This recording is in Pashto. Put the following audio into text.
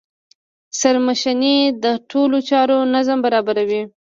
سرمنشي د ټولو چارو نظم برابروي.